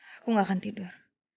aku gak akan tidur